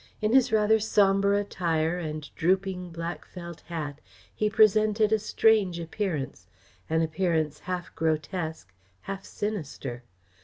In his rather sombre attire and drooping black felt hat, he presented a strange appearance; an appearance half grotesque, half sinister.